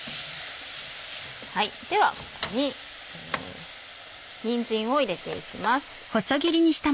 ではここににんじんを入れていきます。